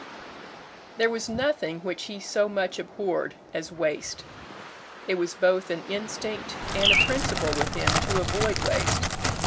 There was nothing which he so much abhorred as waste. It was both an instinct and a principle with him to avoid waste.